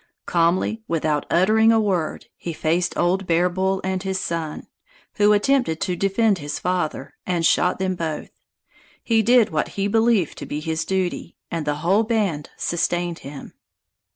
Calmly, without uttering a word, he faced old Bear Bull and his son, who attempted to defend his father, and shot them both. He did what he believed to be his duty, and the whole band sustained him.